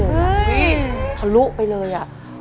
นี่ทะลุไปเลยอ่ะ